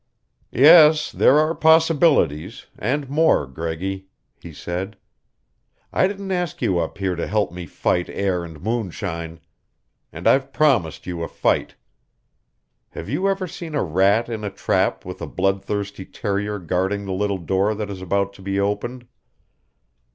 "Yes, there are possibilities and more, Greggy," he said. "I didn't ask you up here to help me fight air and moonshine. And I've promised you a fight. Have you ever seen a rat in a trap with a blood thirsty terrier guarding the little door that is about to be opened?